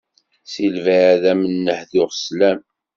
S lbeɛd am n-hduɣ slam.